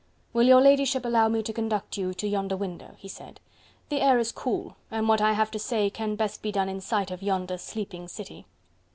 "Will your ladyship allow me to conduct you to yonder window?" he said, "the air is cool, and what I have to say can best be done in sight of yonder sleeping city."